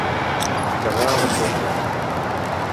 Quedar a les fosques.